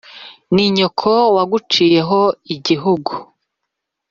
Ni nyoko waguciyeho igihugu: